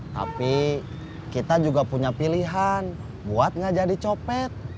tapi kita juga punya pilihan buat gak jadi copet